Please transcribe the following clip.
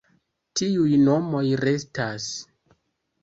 Tiuj nomoj restas.